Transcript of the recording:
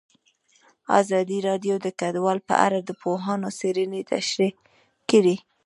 ازادي راډیو د کډوال په اړه د پوهانو څېړنې تشریح کړې.